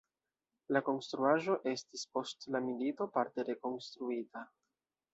La konstruaĵo estis post la milito parte rekonstruita.